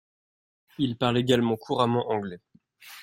Il parle également couramment anglais.